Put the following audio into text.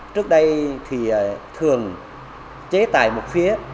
trước đây thì thường chế tài một phía